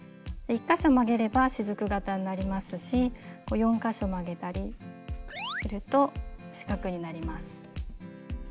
１か所曲げればしずく形になりますし４か所曲げたりすると四角になります。